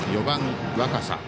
４番、若狭。